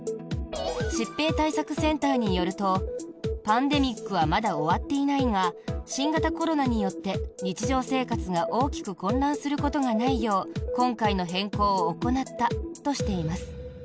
疾病対策センターによるとパンデミックはまだ終わっていないが新型コロナによって日常生活が大きく混乱することがないよう今回の変更を行ったとしています。